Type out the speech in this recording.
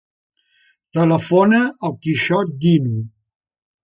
Telefona al Quixot Dinu.